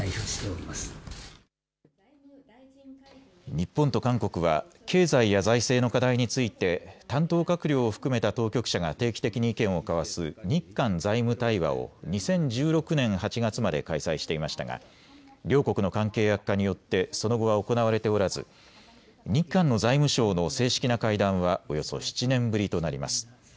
日本と韓国は経済や財政の課題について担当閣僚を含めた当局者が定期的に意見を交わす日韓財務対話を２０１６年８月まで開催していましたが両国の関係悪化によってその後は行われておらず日韓の財務相の正式な会談はおよそ７年ぶりとなります。